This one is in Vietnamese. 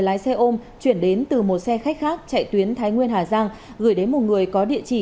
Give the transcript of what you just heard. lái xe ôm chuyển đến từ một xe khách khác chạy tuyến thái nguyên hà giang gửi đến một người có địa chỉ